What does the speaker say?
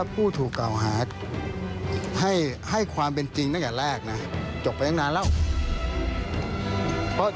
ผู้ถูกกล่าวหาให้ความเป็นจริงตั้งแต่แรกนะจบไปตั้งนานแล้ว